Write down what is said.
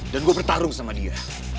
dan gue bertarung sama dia